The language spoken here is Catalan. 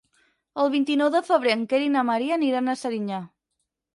El vint-i-nou de febrer en Quer i na Maria aniran a Serinyà.